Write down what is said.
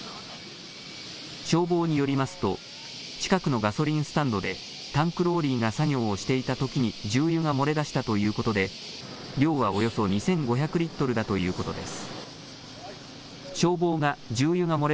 消防によりますと近くのガソリンスタンドでタンクローリーが作業をしていたときに重油が漏れ出したということで量はおよそ２５００リットルだということです。